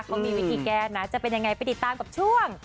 เขามีวิธีแก้นะจะเป็นยังไงไปติดตามกับช่วง